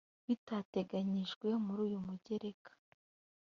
bitateganyijwe muri uyu mugereka